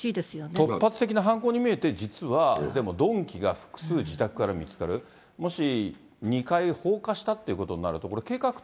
突発的な犯行に見えて、実は、でも鈍器が複数自宅から見つかる、もし２階を放火したってことになると、これ、計画的。